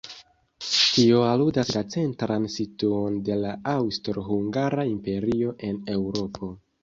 Tio aludas la centran situon de la Aŭstro-Hungara imperio en Eŭropo.